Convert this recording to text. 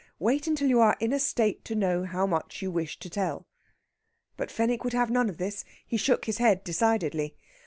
Wait till you are in a state to know how much you wish to tell." But Fenwick would have none of this. He shook his head decidedly.